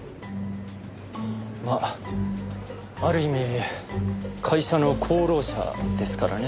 まあある意味会社の功労者ですからね。